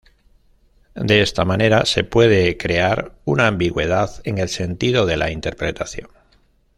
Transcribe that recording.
De esta manera se puede crear una ambigüedad en el sentido de la interpretación.